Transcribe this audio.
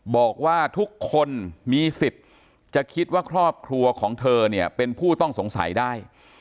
บอกว่าทุกคนมีสิทธิ์จะคิดว่าครอบครัวของเธอเนี่ยเป็นผู้ต้องสงสัยได้